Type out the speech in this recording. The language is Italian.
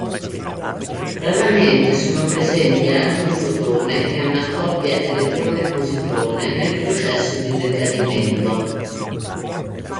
Raramente sono presenti anche un fotone e una coppia elettrone-positrone nel processo di decadimento.